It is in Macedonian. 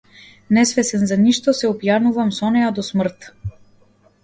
Несвесен за ништо, се опијанувам со неа до смрт.